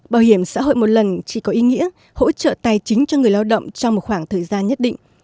bảo hiểm xã hội một lần chỉ có ý nghĩa hỗ trợ tài chính cho người lao động trong một khoảng thời gian nhất định